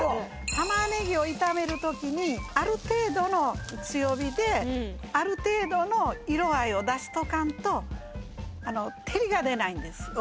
玉ねぎを炒めるときにある程度の強火である程度の色合いを出しとかんとあの照りが出ないんです